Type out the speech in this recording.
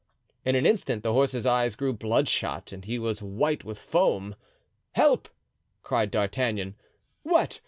In an instant the horse's eyes grew bloodshot and he was white with foam. "Help!" cried D'Artagnan. "What!